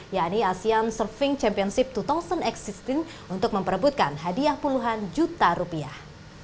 yakni asean surfing championship dua ribu existing untuk memperebutkan hadiah puluhan juta rupiah